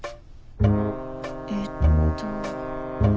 えっと。